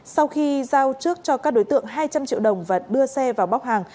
sau khi giao trước cho các đối tượng hai trăm linh triệu đồng và đưa xe vào bóc hàng